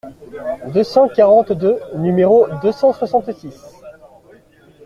deux cent quarante-deux, nº deux cent soixante-six).